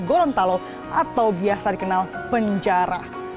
gorontalo atau biasa dikenal penjara